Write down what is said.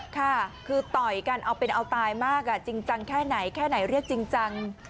ค่ะคือต่อยกันเอาเป็นเอาตายมากจริงจังแค่ไหนแค่ไหนเรียกจริงจัง